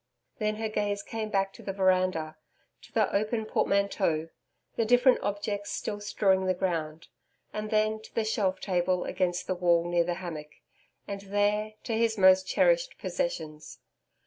Then her gaze came back to the veranda. To the open portmanteaux; the different objects still strewing the ground; and then to the shelf table against the wall near the hammock, and, there, to his most cherished possessions.